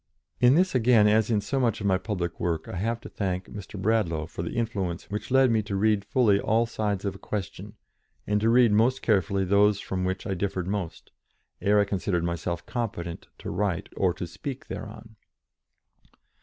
In this, again, as in so much of my public work, I have to thank Mr. Bradlaugh for the influence which led me to read fully all sides of a question, and to read most carefully those from which I differed most, ere I considered myself competent to write or to speak thereon.